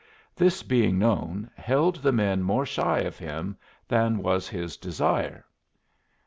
This being known, held the men more shy of him than was his desire.